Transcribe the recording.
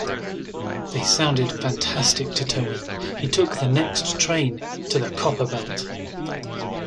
They sounded fantastic to Tony, He took the next train to the copper belt...